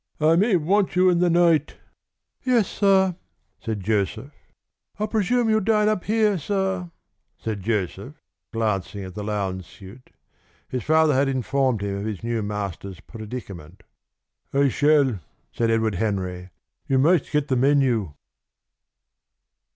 "I may want you in the night." "Yes, sir," said Joseph. "I presume you'll dine up here, sir," said Joseph, glancing at the lounge suit. His father had informed him of his new master's predicament. "I shall," said Edward Henry. "You might get the menu."